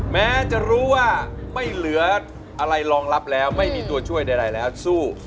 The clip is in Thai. แม้จะรู้ว่าไม่เหลืออะไรรองรับแล้วไม่มีตัวช่วยใดแล้วสู้